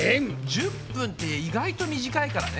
１０分って意外と短いからね。